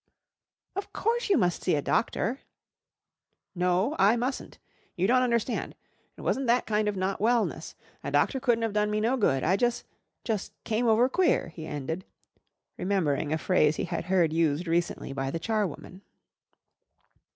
"Of course you must see a doctor." "No, I mustn't. You don't understand. It wasn't that kind of not wellness. A doctor couldn't of done me no good. I jus' jus' came over queer," he ended, remembering a phrase he had heard used recently by the charwoman.